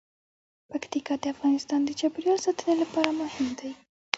پکتیکا د افغانستان د چاپیریال ساتنې لپاره مهم دي.